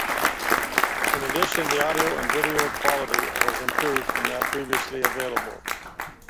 In addition, the audio and video quality was improved from that previously available.